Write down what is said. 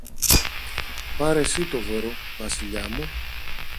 Πάρε συ το δώρο, Βασιλιά μου